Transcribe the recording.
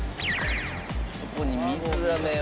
そこに水あめを。